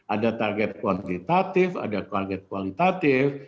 ada target kuantitatif ada target kualitatif